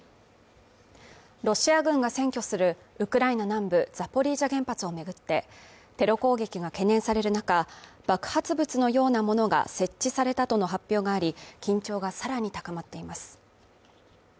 ロシア軍が占拠するウクライナ南部ザポリージャ原発を巡って、テロ攻撃が懸念される中、爆発物のようなものが設置されたとの発表があり、緊張がさらに高まっています。